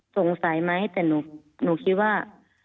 สงสัยไหมแต่หนูคิดว่า